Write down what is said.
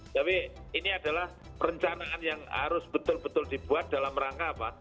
tapi ini adalah perencanaan yang harus betul betul dibuat dalam rangka apa